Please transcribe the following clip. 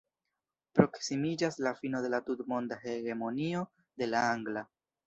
Proksimiĝas la fino de la tutmonda hegemonio de la angla.